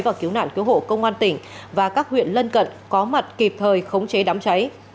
và cứu nạn cứu hộ công an tỉnh và các huyện lân cận có mặt kịp thời khống chế đám cháy